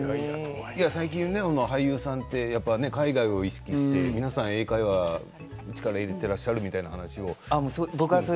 最近、俳優さんって海外を意識して皆さん英会話力を入れていらっしゃるみたいな話を。